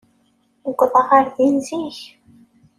Uwḍeɣ ɣer din zik.